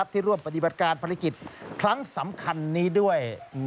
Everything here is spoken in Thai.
ที่ร่วมปฏิบัติการภารกิจครั้งสำคัญนี้ด้วย